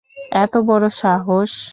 এত বড় সাহস?